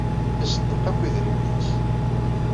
Iṣeddeq akk idrimen-nnes.